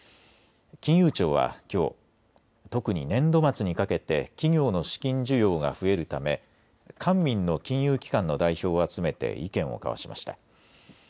金融庁はきょう特に年度末にかけて企業の資金需要が増えるため官民の金融機関の代表を集めて意見を交わしました。